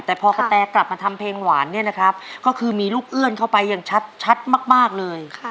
แต่พอกะแตกลับมาทำเพลงหวานเนี่ยนะครับก็คือมีลูกเอื้อนเข้าไปอย่างชัดมากเลย